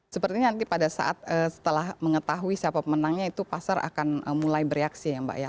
sepertinya nanti pada saat setelah mengetahui siapa pemenangnya itu pasar akan mulai bereaksi ya mbak ya